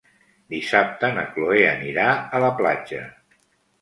Dissabte na Cloè anirà a la platja.